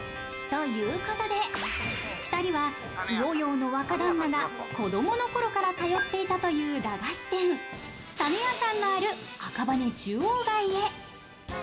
ということで、２人は魚要の若旦那が子供のころから通っていたという駄菓子店、種屋さんのある赤羽中央街へ。